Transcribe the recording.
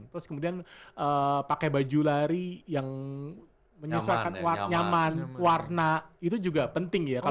terus kemudian pakai baju lari yang menyesuaikan uat nyaman warna itu juga penting ya